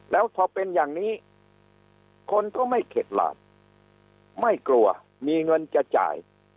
แล้วพอเป็นอย่างนี้คนก็ไม่เข็ดหลาบไม่กลัวมีเงินจะจ่าย